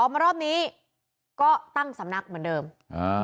มารอบนี้ก็ตั้งสำนักเหมือนเดิมอ่า